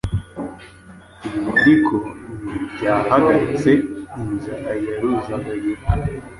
Ibyo ariko ntibyahagaritse inzara ya Ruzagayura